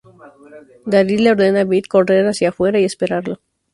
Daryl le ordena a Beth correr hacia afuera y esperarlo.